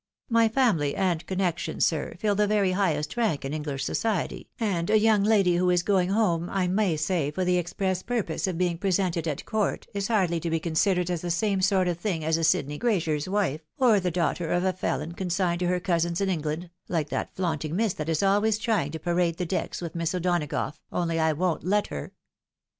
My family and connections, sir, fill the very highest rank in English society, and a young lady who is going home, I may say for the express purpose of being presented at court, is hardly to be considered as the same sort of thing as a Sydney grazier's wife, or the daughter of a felon consigned to her cousins in England, like that flaunting miss that is always trying to parade the decks with Miss O'Donagough, only I won't let her."